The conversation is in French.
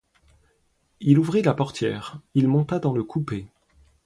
Il ouvrit la portière, il monta dans le coupé.